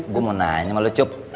bu mau nanya sama lu cep